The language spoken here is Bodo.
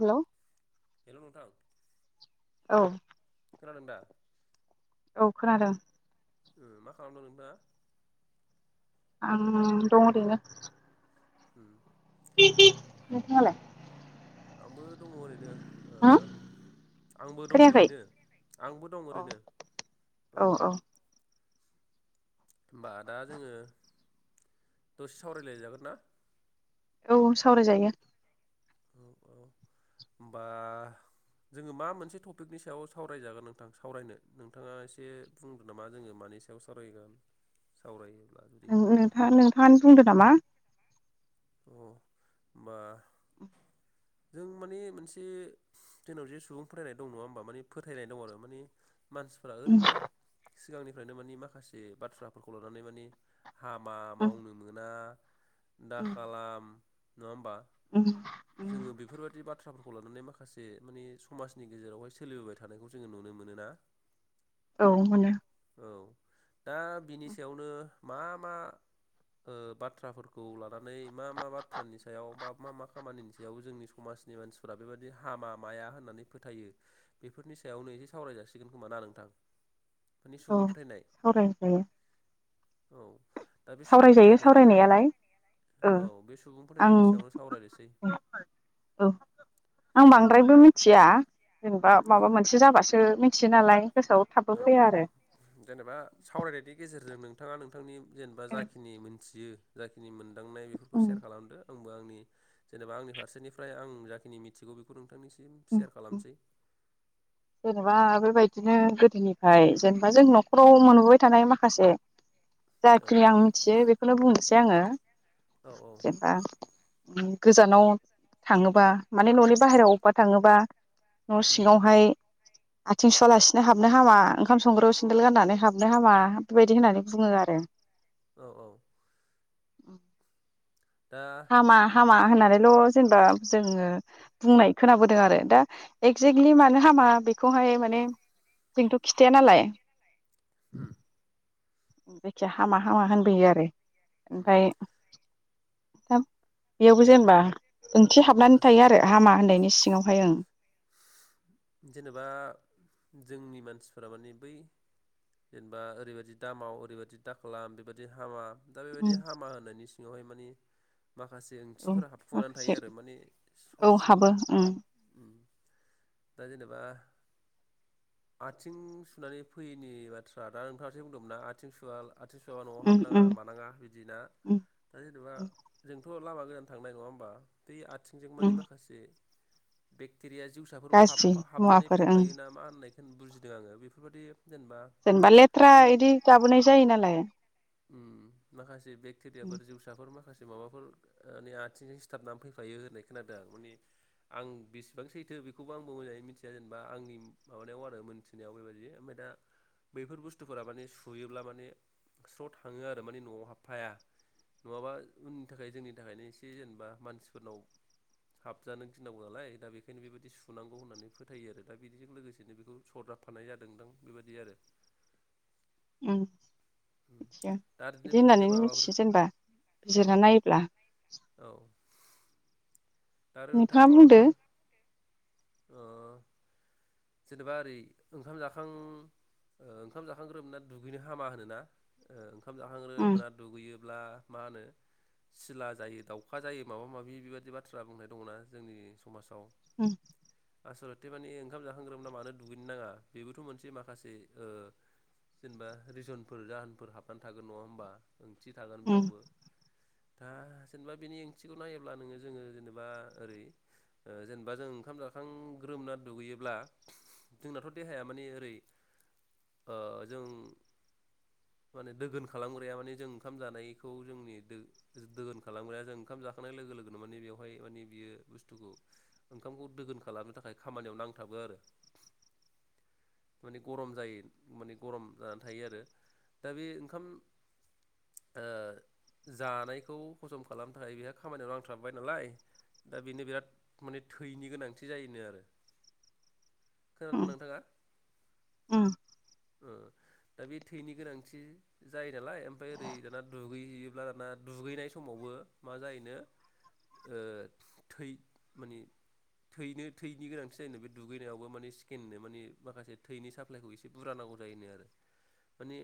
हेलौ हेलौ नथां औ खोनादोंदा औ खोनादों मा खालामदों नोंथाङा आम दङ ओरैनो [inaudible] [unintelligible] नोंहालाय आंबो दङ ओरैनो ओ हा आंबो दं ओरैनो आंबो दं अ ओरैनो औ औ होमबा दा जोङो दसे सावरायलायजागोन ना औ सावरायजायो औ औ बा जोङो मा मोनसे टपिकनि सायाव सावरायजागोन नोंथां सावरायनो नोंथाङा एसे बुंदों नामा जोङो मान सानै सायाव सावरायगोन सावरायो नोंथाङ नोंथाङानो बुंदो नामा अ बा जों माने मोनसे जोंनाव जे सुबुं फथायरायनाय दं नङा होमबा माने फोथायनाय दं आरो माने मानसिफ्रा ओरैनो सिगांनिफ्रायनो मानि माखासे बाथ्राफोरखौ लानानै मानि हाबा मावनो मोना दा औ नङा होनबा जोंङो बेफोरबादि बाथ्रा बाथ्राफोरखौ लानानै माखासे मानि समाजनि गेजेरावहाय सोलिबोबाय थानायखौ जोङो नुनो मोन ना औ मोनो औ दा बिनि सायावनो मा मा ओ बाथ्राफोरखौ लाबो नै मा मा बाथ्रानि सायाव बा मा मा खामानिनि सायाव याव जोंनि समाजनि मानसिफोरा बेबायदि हामा माया होननानै फोथायो बेफोरनि सायावनो एसे सावराय जासिगोन खोमा ना नोंथां माने औ सुबुं फोथायनाय सावरायजायो औ दा बे सुबुं सावरायजायो फोथायनायफोर सावरायनायालाय ओ औ बे सुबुं आं फोथायनायनि सायावनो सावरायनोसै औ आं बांद्रायबो मिथिया जेनेबा औ माबा मोनसे जाबासो मिथियो नालाय गोसोआव थाबबो औ औ फैया आरो जेनेबा सावरायनायनि गेजेरजों नोंथाङा नोंथांनि जेनेबा जाखिनि मोनथियो जाखिनि मोनदांनाय बेफोरखौ सेयार खालामदो आंबो आंनि जेनेबा आंनि फारसेनिफ्राय आं जाखिनि मिथिगौ बेखौ नोंथांनिसिम सेयार खालामसै जेनेबा बेबायदिनो गोदोनिफ्राय जेनेबा जों न'खराव मोनबोबाय थानाय माखासे औ जाखिनि आं मिथियो बेखौनो बुंनोसै आङो औ औ जेनबा उ गोजानाव थाङोबा माने न'नि बाहेरायाव बबेबा थाङोबा न' सिङावहाय फ्राय आथिं सुवालासिनो हाबनो हामा ओंखाम संग्रायाव सिन्देल गाननानै हाबनो हामा बेबायदि होननानै बुङो आरो औ औ औ दा हामा हा मा होननानैल' जेनेबा जोङो बुंनाय खोनोदों आरो दा एक्जेकलि मानो हामा बेखौहाय माने जोंनोथ' खिथाया नालाय ओम जायखिया हामा हामा होनबोयो आरो उम ओमफाय दा बेयावबो जेनेबा ओंथि हाबनानै माखासे थायो आरो हामा होननायनि सिङावहाय ओं जेनेबा जोंनि मानसिफोरा माने बै जेनेबा ओरैबादि दामाव ओरैबादि दाखालाम बेबादि हामा दा ओं बेबायदि हामा होनायनि सिङावहाय मानि माखासे औ ओंथिफोरा हाबखुमानानै माखासे थायो आरो माने औ हाबो ससियेलि उम दा जेनेबा आथिं सुनानै फैयैनि बाथ्रा दा नोंथाङासो बुंदोंमोन ना आथिं सुवा आथिं सुवाबा न'आव उम हाबनो नाङा उम मानाङा बिदि ना उम दा जेन'बा उम जोंथ' लामा गोजान थांनाय नङा होमबा बै आथिंजों मानि उम माखासे बेक्टेरिया जिउसाफोरबो हाब गाज्रि फा हाबनानै मुवाफोर ओं फैफायोना मा होननायखौ बुजिदों आङो बेफोरबायदि जेनेबा जेनेबा लेथ्रा ओइ इदि गाबोनाय जायो नालाय माखासे उम बेक्टेरियाफोर जिउसाफोर माखासे माबाफोर मानि आथिंजों सिथाबनानै फैफायो होननाय खोनादों आं माने आं बेसेबां सैथो बेखौबो आं बो मोजाङै मिथिया जेनेबा आंनि माबानायाव आरो मोनथिनायाव बेबायदि ओमफाय दा बैफोर बुस्थुफोरा माने सुयोब्ला माने स्र' थाङो आरो माने न'आव हाबफाया नङाबा उननि थाखाय जोंनि थाखायनो एसे जेनेबा मानसिफोरनाव हाबजानो गिनांगौ नालाय दा बेखायनो बेबायदि सु नांगौ होननानै फोथायो आरो दा बिदिजों लोगोसेनो बेखौ सरजाबफानाय जादों दां बेबायदि आरो उम मिथिया दा ओरैनो बिदि बिदिनो होननानै माबाफोर मिथियो जेनबा औ बिजिरना नायोब्ला औ आरो नोंथाङा माबाफोर ओ जेनेबा ओरै ओंखाम जाखां उ ओंखाम जाखांग्रोना दुगैनो हामा होनोना ओ ओंखाम उम जाखांग्रोमोना दुगैयो ब्ला मा होनो सिला जायो दाउखा जायो माबा माबि बेबादि - - बा थ्रा बुंनाय दङना जोंनि समाजाव औ आसलथे माने ओंखाम जाखांग्रोमोनना मानो दुगैनो नाङा बेबोथ' मोनसे माखासे जेनेबा रिजनफोर जाहोनफोर हाबनानै थागोन नङा होमबा। ओंथि थागोन उम बेयावबो दा जेनेबा बिनि ओंथिखौ नायोब्ला नोङो जोङो जेनेबा ओरै जेनेबा जों ओंखाम जाखां ग्रोमना दुगैयोब्ला जोंनाथ' देहाया माने ओरै जों माने दोगोन खालामग्राया मान जों ओंखाम जानायखौ जोंनि द दोगोन खालामग्राया जों ओंखाम जाखांनाय लोगो लोगो माने बेवहाय मानिे बियो बुस्थुखौ ओंखामखौ दोगोन खालामनो थाखाय खामानियाव नांथाबो आरो। माने गरम जायो माने गरम जानानै थायो आरो। दा बे ओंखाम जानायखौ हजम खालामनो थाखाय बेहा खामानियावनो नांथाब थाबबाय नालाय दा बेनो बिराद माने थैनि गोनांथि जायोनो आरो उम खोनादों नोंथाङा। उम दा बे थैनि गोनांथि जायो नालाय ओमफाय ओरै दाना दुगैहैयोब्ला दाना दुगैनाय समावबो मा जायोनो ओ थै मानि थैनो थैनि गोनांथि जायोनो बे दुगैनायावबो माने स्केननो माने माखासे थैनि साफायखौ एसे बुरजा नांगौ उदनाय आरो मानि